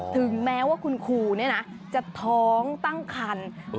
ถึงแม้ว่าคุณครูจะท้องตั้งครรภ์